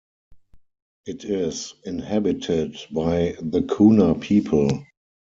It is inhabited by the Kuna people.